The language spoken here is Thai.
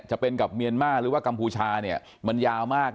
จะเป็นกับเมียนมาร์หรือว่ากัมพูชาเนี่ยมันยาวมาก